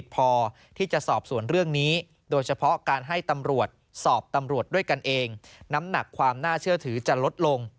โปรดติดตามต่อไป